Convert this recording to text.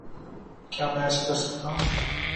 کیا میں ایسا کر سکتا ہوں؟